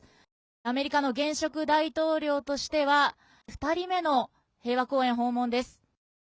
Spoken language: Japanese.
アメリカの現職大統領としては２人目の平和公園訪問です。